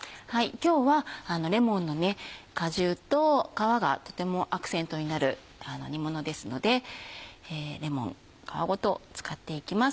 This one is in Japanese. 今日はレモンの果汁と皮がとてもアクセントになる煮物ですのでレモン皮ごと使っていきます。